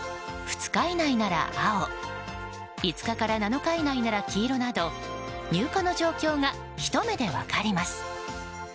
２日以内なら青５日から７日以内なら黄色など入荷の状況がひと目で分かります。